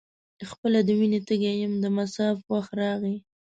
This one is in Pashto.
خپله د وینې تږی یم د مصاف وخت راغی.